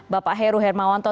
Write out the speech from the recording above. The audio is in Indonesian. bapak heru hermawanto